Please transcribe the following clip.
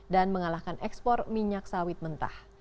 dan mengalahkan ekspor minyak sawit mentah